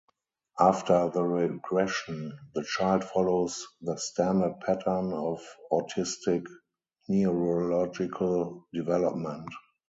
After the regression, the child follows the standard pattern of autistic neurological development.